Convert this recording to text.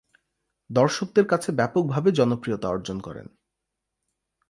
দর্শকদের কাছে ব্যাপকভাবে জনপ্রিয়তা অর্জন করেন।